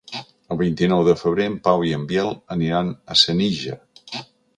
El vint-i-nou de febrer en Pau i en Biel aniran a Senija.